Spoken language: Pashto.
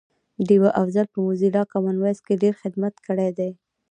ډیوه افضل په موزیلا کامن وایس کی ډېر خدمت کړی دی